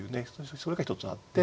それが一つあって。